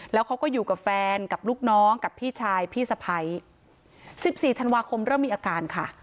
แล้วเขาก็อยู่กับแฟนกับลูกน้องกับพี่ชายพี่สะพ้ายสิบสี่ธันวาคมเริ่มมีอาการค่ะ